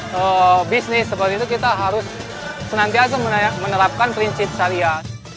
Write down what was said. kalau bisnis seperti itu kita harus senantiasa menerapkan prinsip syariah